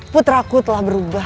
puteraku telah berubah